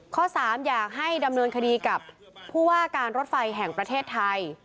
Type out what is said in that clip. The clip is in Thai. ข้อ๓อยากให้ดำเนินคดีกับผู้ว่าการรถไฟแห่งประเทศไทย